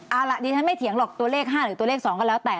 เอาล่ะดิฉันไม่เถียงหรอกตัวเลข๕หรือตัวเลข๒ก็แล้วแต่